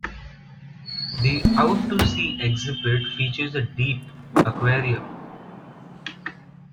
The "Out to Sea" exhibit features a deep, aquarium.